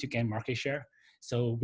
untuk mendapatkan share pasar